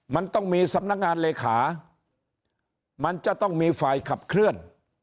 มันต้องมีสำนักงานเลขามันจะต้องมีฝ่ายขับเคลื่อน